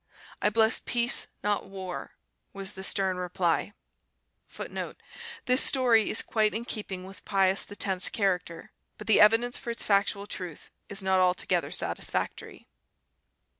"I bless peace, not war," was the stern reply.[*] [*] This story is quite in keeping with Pius X's character, but the evidence for its factual truth is not altogether satisfactory.